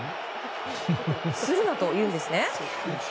するなと言うんですね。